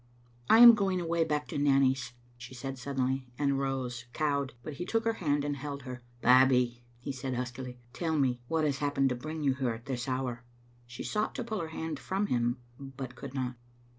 "I am going away back to Nanny's," she said sud denly, and rose cowed, but he took her hand and held her. "Babbie," he said, huskily, "tell me what has hap pened to bring you here at this hour." She sought to pull her hand from him, but could not.